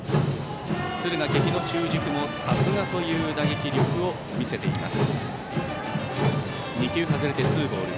敦賀気比の中軸もさすがという打撃力を見せています。